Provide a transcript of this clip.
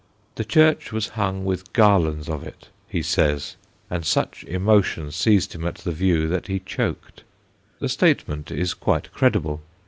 The church was hung with garlands of it, he says, and such emotions seized him at the view that he choked. The statement is quite credible.